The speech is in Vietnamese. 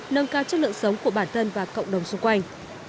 nâng cao chất lượng sống của bản thân và cộng đồng xung quanh